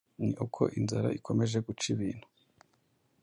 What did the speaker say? Ni uko inzara ikomeje guca ibintu,